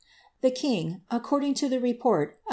The king, acconling to the report of M.